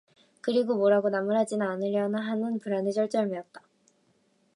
그리고 뭐라고 나무라지나 않으려나 하는 불안에 쩔쩔매었다.